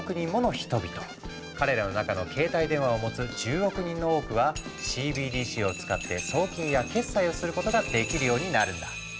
彼らの中の携帯電話を持つ１０億人の多くはＣＢＤＣを使って送金や決済をすることができるようになるんだ。